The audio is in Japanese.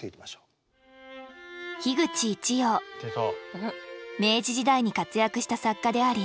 明治時代に活躍した作家であり歌人。